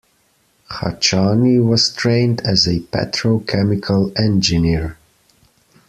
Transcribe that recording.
Hachani was trained as a petrochemical engineer.